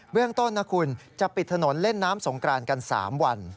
เรื่องต้นนะคุณจะปิดถนนเล่นน้ำสงกรานกัน๓วัน